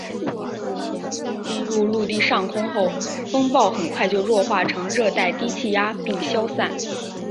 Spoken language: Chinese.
进入陆地上空后风暴很快就弱化成热带低气压并消散。